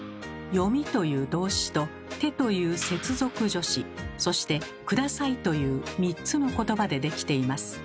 「読み」という動詞と「て」という接続助詞そして「ください」という３つのことばで出来ています。